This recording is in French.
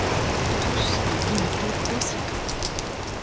Tous de l’imiter aussitôt.